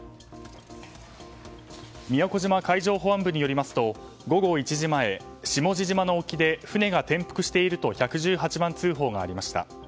宮古島海上保安部によりますと午後１時前下地島の沖で船が転覆していると１１８番通報がありました。